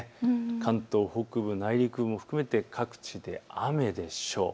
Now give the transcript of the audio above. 関東北部、内陸部も含めて各地で雨でしょう。